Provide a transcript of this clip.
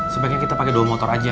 sebaiknya kita pakai dua motor aja